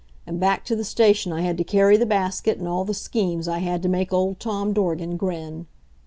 And back to the station I had to carry the basket, and all the schemes I had to make old Tom Dorgan grin.